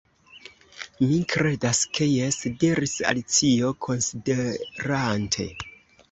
"Mi kredas ke jes," diris Alicio, konsiderante.